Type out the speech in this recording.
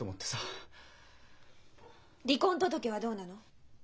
離婚届はどうなの？